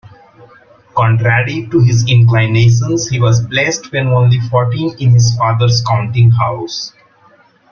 Contrary to his inclinations, he was placed when only fourteen in his father's counting-house.